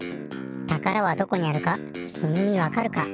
たからはどこにあるかきみにわかるか？